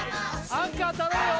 アンカー頼むよ